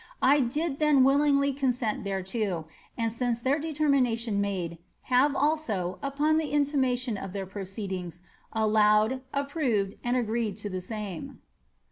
I did then willingly consent thereto ; and since their determination made, have also, upon intimation of their proceedings, allowed, approved, and agreed to the same."